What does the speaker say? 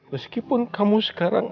meskipun kamu sekarang